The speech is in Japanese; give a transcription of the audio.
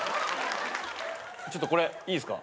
ちょっとこれいいですか？